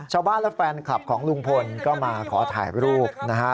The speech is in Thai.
ชาวบ้านและแฟนคลับของลุงพลก็มาขอถ่ายรูปนะฮะ